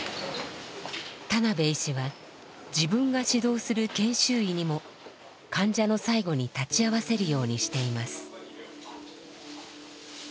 田邉医師は自分が指導する研修医にも患者の最期に立ち会わせるようにしています。